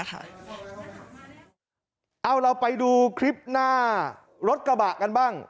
เอาเราไปดูคลิปหน้ารถกระบะกันบ้าง